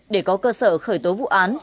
để có cơ sở khởi tố vụ án